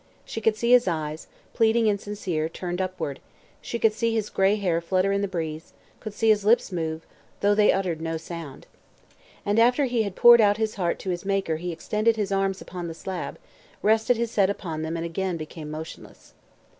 She could see his eyes, pleading and sincere, turned upward; could see his gray hair flutter in the breeze; could see his lips move, though they uttered no sound. And after he had poured out his heart to his Maker he extended his arms upon the slab, rested his head upon them and again became motionless.